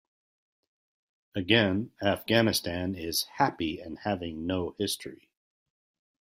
Again Afghanistan is "happy in having no history".